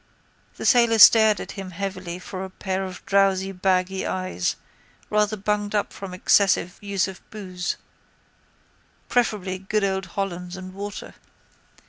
The sailor stared at him heavily from a pair of drowsy baggy eyes, rather bunged up from excessive use of boose, preferably good old Hollands and water.